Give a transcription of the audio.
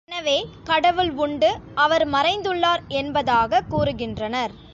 எனவே, கடவுள் உண்டு அவர் மறைந்துள்ளார் என்பதாகக் கூறுகின்றனர்.